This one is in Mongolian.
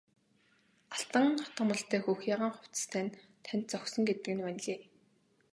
Алтан хатгамалтай хөх ягаан хувцас тань танд зохисон гэдэг нь ванлий!